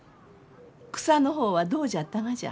草の方はどうじゃったがじゃ？